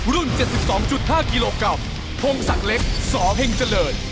รุ่น๗๒๕กิโลกรัมพงศักดิ์เล็กสเฮงเจริญ